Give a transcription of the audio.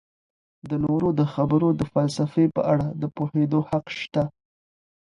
د نورو د خبرو د فلسفې په اړه د پوهیدو حق سته.